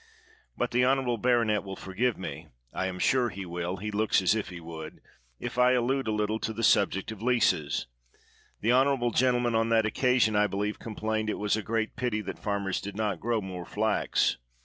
But the honorable baro net will forgive me — I am sure he will, he looks as if he would — if I allude a little to the subject of leases. The honorable gentleman on that oc casion, I believe, complained that it was a great pity that farmers did not grow more flax.